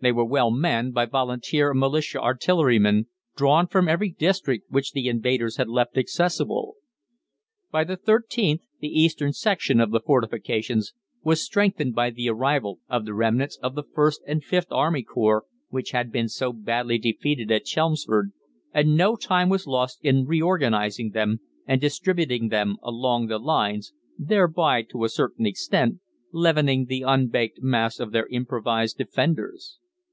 They were well manned by Volunteer and Militia Artillerymen, drawn from every district which the invaders had left accessible. By the 13th the eastern section of the fortifications was strengthened by the arrival of the remnants of the Ist and Vth Army Corps, which had been so badly defeated at Chelmsford, and no time was lost in reorganising them and distributing them along the lines, thereby, to a certain extent, leavening the unbaked mass of their improvised defenders.